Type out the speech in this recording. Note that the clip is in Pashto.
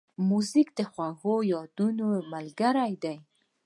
موزیک د خوږو یادونو ملګری دی.